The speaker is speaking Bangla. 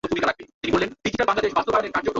একটি স্পন্দিত বা অবিচ্ছিন্ন মোডে পরিচালনা করুন।